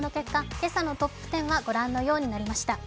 今朝のトップ１０はご覧のようになりました。